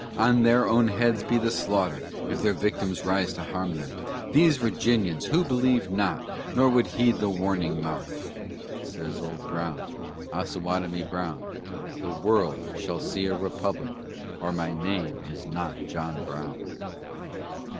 On their own heads be the slaughter, if their victims rise to harm them These Virginians! who believed not, nor would heed the warning mouth." Says Old Brown, Osawatomie Brown, "The world shall see a Republic, or my name is not John Brown."